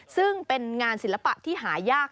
ซึ่งเป็นงานศิลปะที่หายาก